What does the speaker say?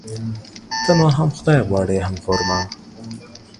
ته نو هم خداى غواړي ،هم خر ما.